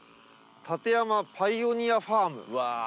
館山パイオニアファーム。